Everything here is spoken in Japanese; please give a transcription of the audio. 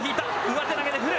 上手投げで振る！